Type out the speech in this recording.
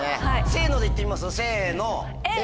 せのでいってみます？せの！